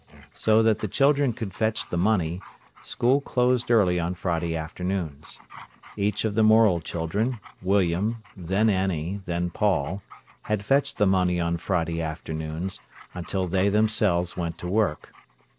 So that the children could fetch the money, school closed early on Friday afternoons. Each of the Morel children—William, then Annie, then Paul—had fetched the money on Friday afternoons, until they went themselves to work.